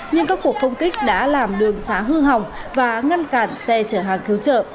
nhưng các cuộc phong kích đã làm đường xá hư hỏng và ngăn cản xe chở hàng thiếu chở